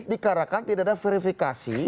dikarakan tidak ada verifikasi